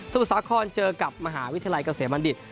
สมุสาครเจอกับมหาวิทยาลัยเกาเสมอมันดิด